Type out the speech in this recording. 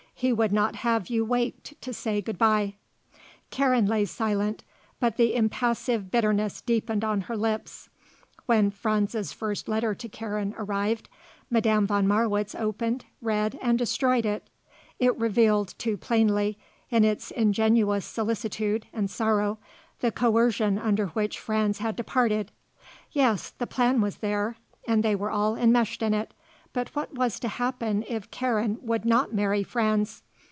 He would not have you waked to say good bye." Karen lay silent, but the impassive bitterness deepened on her lips. When Franz's first letter to Karen arrived Madame von Marwitz opened, read and destroyed it. It revealed too plainly, in its ingenuous solicitude and sorrow, the coercion under which Franz had departed. Yes; the plan was there and they were all enmeshed in it; but what was to happen if Karen would not marry Franz?